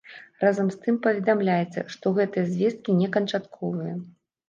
Разам з тым паведамляецца, што гэтыя звесткі не канчатковыя.